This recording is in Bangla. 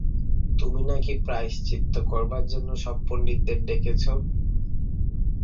তুমি নাকি প্রায়শ্চিত্ত করবার জন্যে সব পণ্ডিতদের ডেকেছ?